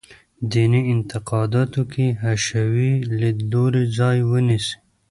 دیني اعتقاداتو کې حشوي لیدلوری ځای ونیسي.